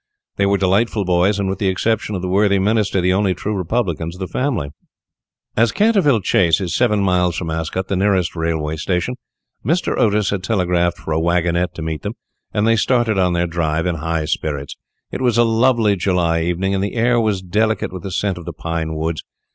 They were delightful boys, and, with the exception of the worthy Minister, the only true republicans of the family. [Illustration: "HAD ONCE RACED OLD LORD BILTON ON HER PONY"] As Canterville Chase is seven miles from Ascot, the nearest railway station, Mr. Otis had telegraphed for a waggonette to meet them, and they started on their drive in high spirits. It was a lovely July evening, and the air was delicate with the scent of the pinewoods.